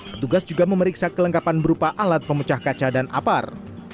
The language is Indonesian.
petugas juga memeriksa kelengkapan berupa alat pemecah kaca dan apar